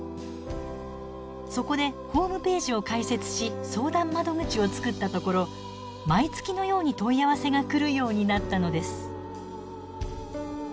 そこでホームページを開設し相談窓口を作ったところ毎月のように問い合わせが来るようになったのです。